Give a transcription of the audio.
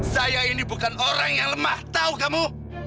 saya ini bukan orang yang lemah tahu kamu